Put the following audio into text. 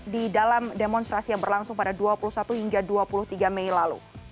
di dalam demonstrasi yang berlangsung pada dua puluh satu hingga dua puluh tiga mei lalu